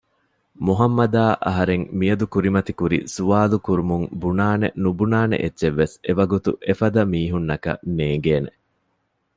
މުހައްމަދާ އަހަރެން މިއަދު ކުރިމަތި ކުރި ސުވާލުކުރުމުން ބުނާނެ ނުބުނާނެ އެއްޗެއް ވެސް އެވަގުތު އެފަދަ މީހުންނަކަށް ނޭނގޭނެ